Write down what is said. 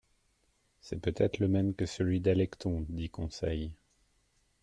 «C'est peut-être le même que celui de l'Alecton, dit Conseil.